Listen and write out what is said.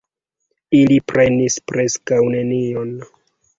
Ili prenis preskaŭ nenion.